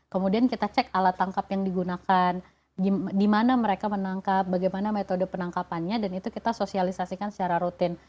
kemudian kita cek alat tangkap yang digunakan di mana mereka menangkap bagaimana metode penangkapannya dan itu kita sosialisasikan secara rutin